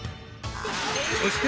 ［そして］